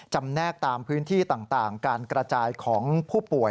แนกตามพื้นที่ต่างการกระจายของผู้ป่วย